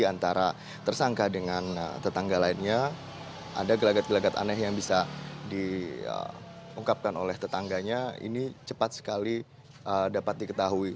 jadi antara tersangka dengan tetangga lainnya ada gelagat gelagat aneh yang bisa diungkapkan oleh tetangganya ini cepat sekali dapat diketahui